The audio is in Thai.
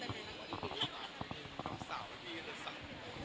พี่พลิกต้องสาวให้พี่รักษา